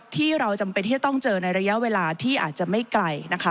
ที่เราจำเป็นที่จะต้องเจอในระยะเวลาที่อาจจะไม่ไกลนะคะ